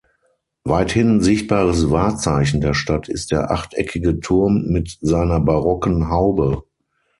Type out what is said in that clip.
Weithin sichtbares Wahrzeichen der Stadt ist der achteckige Turm mit seiner barocken Haube.